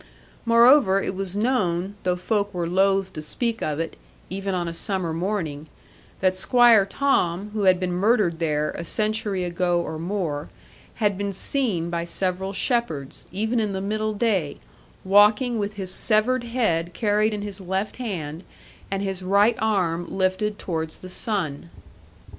Moreover, it was known, though folk were loath to speak of it, even on a summer morning, that Squire Thom, who had been murdered there, a century ago or more, had been seen by several shepherds, even in the middle day, walking with his severed head carried in his left hand, and his right arm lifted towards the sun.